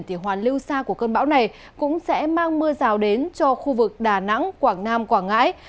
thì hoàn lưu xa của cơn bão này cũng sẽ mang mưa rào đến cho khu vực đà nẵng quảng nam quảng ngãi